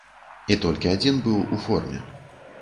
І толькі адзін быў у форме.